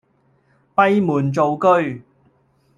閉門造車